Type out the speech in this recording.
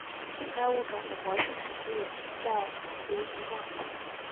该物种的模式产地在留尼汪。